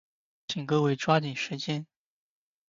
请各位抓紧时间。